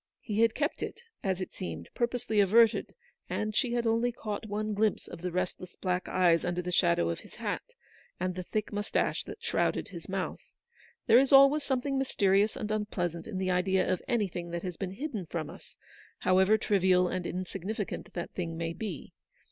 He had kept it, as it seemed, purposely averted, and she had only caught one glimpse of the restless black eyes under the shadow of his hat, and the thick moustache that shrouded his mouth. There is always something mysterious and unpleasant in the idea of anything that has been hidden from us, however trivial and insignificant that thing may be.